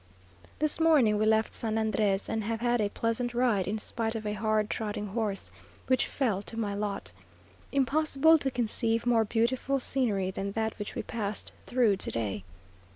This morning we left San Andrés, and have had a pleasant ride, in spite of a hard trotting horse, which fell to my lot. Impossible to conceive more beautiful scenery than that which we passed through to day.